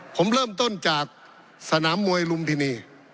ผมเริ่มต้นจากสนามมวยลุมพินี